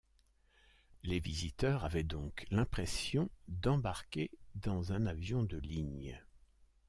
Les visiteurs avaient donc l'impression d'embarquer dans un avion de ligne.